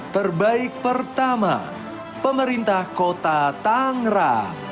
terbaik pertama pemerintah kota tangra